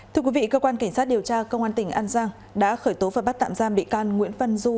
thưa quý vị cơ quan cảnh sát điều tra công an tỉnh an giang đã khởi tố và bắt tạm giam bị can nguyễn văn du